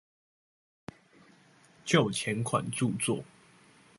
就前款著作